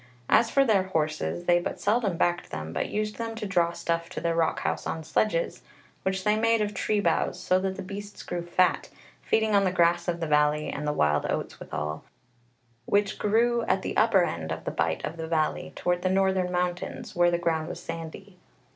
As for their horses, they but seldom backed them, but used them to draw stuff to their rock house on sledges, which they made of tree boughs; so that the beasts grew fat, feeding on the grass of the valley and the wild oats withal, which grew at the upper end of the bight of the valley, toward the northern mountains, where the ground was sandy.